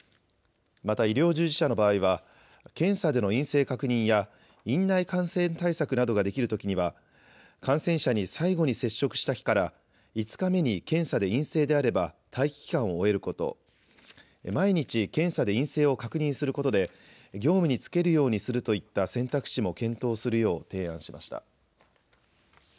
また医療従事者の場合は、検査での陰性確認や院内感染対策などができるときには、感染者に最後に接触した日から５日目に検査で陰性であれば、待機期間を終えること、毎日、検査で陰性を確認することで、業務に就けるようにするといった選択肢も検討するよう提案しました。